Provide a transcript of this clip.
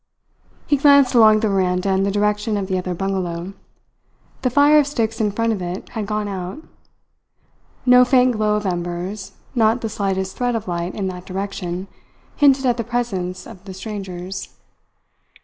He glanced along the veranda in the direction of the other bungalow. The fire of sticks in front of it had gone out. No faint glow of embers, not the slightest thread of light in that direction, hinted at the presence of strangers.